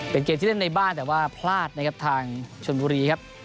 เป็นเกรดที่เล่นในบ้านแต่ว่าพลาดทางชลบุรีครับ